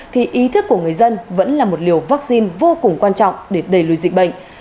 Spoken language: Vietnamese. thì ý thức của người dân vẫn là một liều vaccine vô cùng quan trọng để đẩy lùi dịch bệnh